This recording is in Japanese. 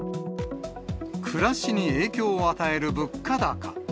暮らしに影響を与える物価高。